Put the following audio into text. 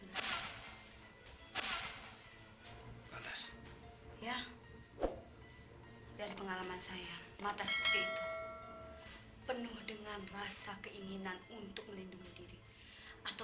ya dari pengalaman saya mata seperti itu penuh dengan rasa keinginan untuk melindungi diri atau